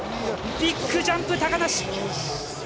ビッグジャンプ、高梨。